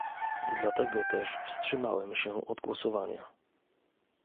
Dlatego też wstrzymałem się od głosowania